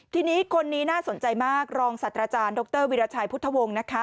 ทีนี้คนนี้น่าสนใจมากรองศัตว์อาจารย์ดรวิราชัยพุทธวงศ์นะคะ